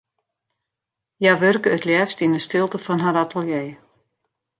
Hja wurke it leafst yn 'e stilte fan har atelier.